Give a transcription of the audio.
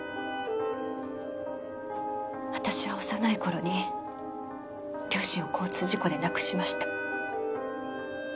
私は幼い頃に両親を交通事故で亡くしました。